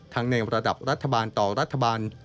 ในระดับรัฐบาลต่อรัฐบาล